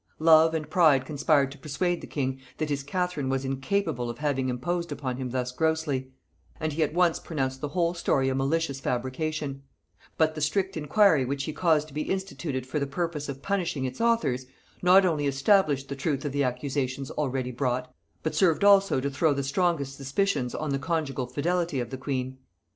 Love and pride conspired to persuade the king that his Catherine was incapable of having imposed upon him thus grossly, and he at once pronounced the whole story a malicious fabrication; but the strict inquiry which he caused to be instituted for the purpose of punishing its authors, not only established the truth of the accusations already brought, but served also to throw the strongest suspicions on the conjugal fidelity of the queen.